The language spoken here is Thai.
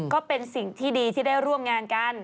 ก็เป็นสิ่งที่ดีที่ได้ร่วมงานกัน